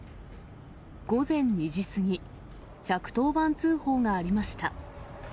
午前２時過ぎ、１１０番通報がありました。